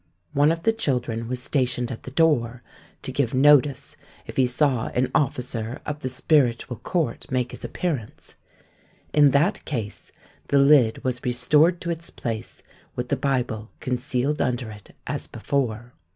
One of the children was stationed at the door to give notice if he saw an officer of the Spiritual Court make his appearance; in that case the lid was restored to its place, with the Bible concealed under it as before."